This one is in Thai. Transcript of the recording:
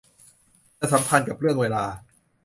จะสัมพันธ์กับเรื่องเวลา